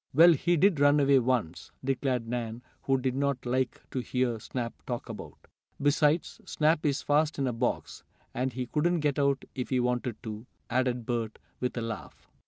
"Well, he did run away, once," declared Nan, who did not like to hear Snap talked about. "Besides, Snoop is fast in a box, and he wouldn't get out if he wanted to," added Bert, with a laugh.